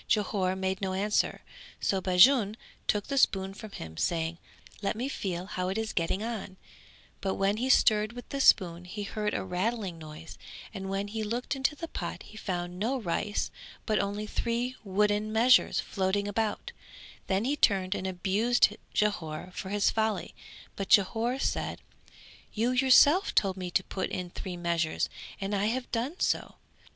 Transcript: Jhore made no answer, so Bajun took the spoon from him, saying "Let me feel how it is getting on", but when he stirred with the spoon he heard a rattling noise and when he looked into the pot he found no rice but only three wooden measures floating about; then he turned and abused Jhore for his folly, but Jhore said "You yourself told me to put in three measures and I have done so."